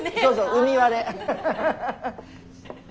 海割れ。